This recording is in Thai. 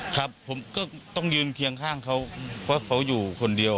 ครับผมก็ต้องยืนเคียงข้างเขาเพราะเขาอยู่คนเดียว